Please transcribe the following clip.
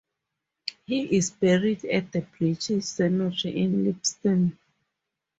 He is buried at the British Cemetery in Lisbon.